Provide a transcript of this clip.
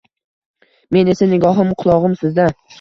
Men esa nigohim, qulog‘im sizda